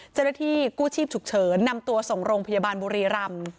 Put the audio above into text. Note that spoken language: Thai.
เจ้าหน้าที่กู้ชีพฉุกเฉินนำตัวส่งโรงพยาบาลบุรีรำ